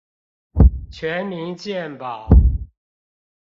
全民健保